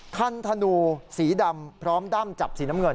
คันธนูสีดำพร้อมด้ำจับสีน้ำเงิน